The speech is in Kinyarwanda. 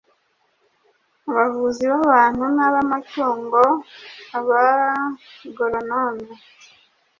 abavuzi b'abantu n'ab'amatungo, abagoronome